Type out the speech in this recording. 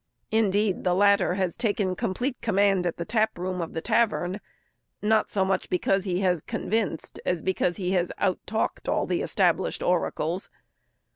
Indeed, the latter has taken complete command at the tap room of the tavern, not so much because he has convinced, as because he has out talked all the established oracles.